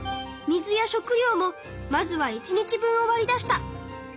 水や食料もまずは１日分をわり出した。